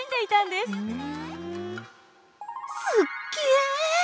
すっげえ。